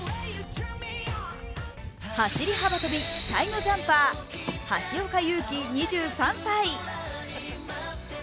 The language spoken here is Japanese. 走り幅跳び期待のジャンパー橋岡優輝２３歳。